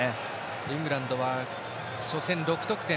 イングランドは初戦、６得点。